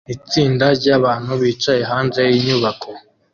Itsinda ryabantu bicaye hanze yinyubako